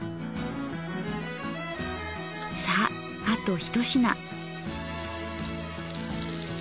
さああと一品。